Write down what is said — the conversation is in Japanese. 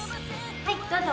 はいどうぞ。